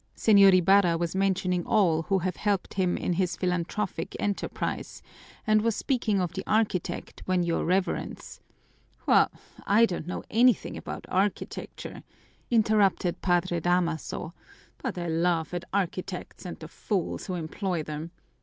"Señor Ibarra was mentioning all who have helped him in his philanthropic enterprise and was speaking of the architect when your Reverence " "Well, I don't know anything about architecture," interrupted Padre Damaso, "but I laugh at architects and the fools who employ them.